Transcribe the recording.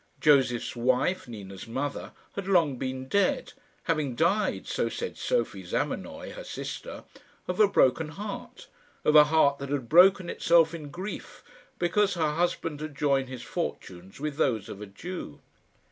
Josef's wife, Nina's mother, had long been dead, having died so said Sophie Zamenoy, her sister of a broken heart; of a heart that had broken itself in grief, because her husband had joined his fortunes with those of a Jew.